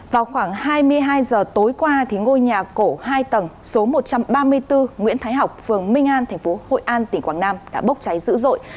vào khoảng hai mươi hai giờ tối qua ngôi nhà cổ hai tầng số một trăm ba mươi bốn nguyễn thái học phường minh an tp hội an tỉnh quảng nam đã bốc cháy dữ dội